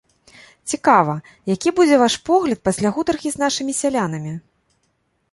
Цікава, які будзе ваш погляд пасля гутаркі з нашымі сялянамі?